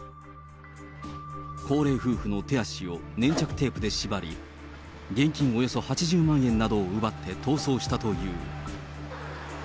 高齢夫婦の手足を粘着テープで縛り、現金およそ８０万円などを奪って逃走したという。